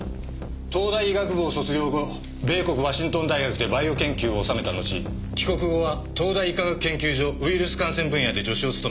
東大医学部を卒業後米国ワシントン大学でバイオ研究を修めたのち帰国後は東大医科学研究所ウイルス感染分野で助手を務め再び渡米。